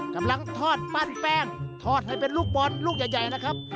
กำลังทอดปั้นแป้งทอดให้เป็นลูกบอลลูกใหญ่นะครับ